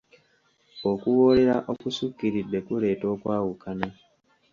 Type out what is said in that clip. Okuwoolera okusukiridde kuleeta okwawukana.